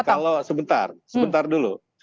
dan kalau sebentar sebentar dulu